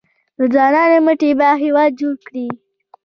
د ځوانانو مټې به هیواد جوړ کړي؟